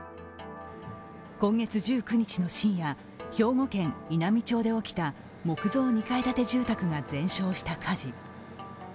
今月１９日の深夜、兵庫県稲美町で起きた木造２階建て住宅が全焼した火事。